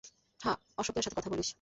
হ্যাঁ, অশোকের সাথে কথা বলিস?